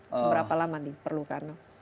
berapa lama diperlukan